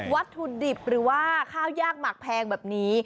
วัตถุดิบหรือว่าข้าวยากหมักแพงแบบนี้